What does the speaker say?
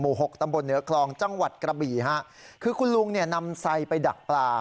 หกตำบลเหนือคลองจังหวัดกระบี่ฮะคือคุณลุงเนี่ยนำไซไปดักปลา